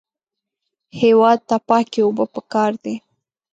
هېواد ته پاکې اوبه پکار دي